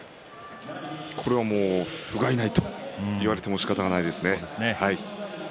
これは、ふがいないと言われてもしかたがないですね。